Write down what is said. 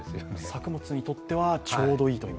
作物にとってはちょうどいい？